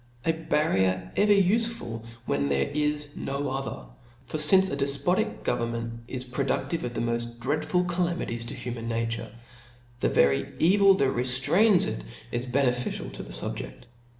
A barrier ever ufefui when there is no other : for . fince a defpotic government is productive of the moft dreadful calamities to human nature, the very evil that retrains it is beneficial to the fubjedt.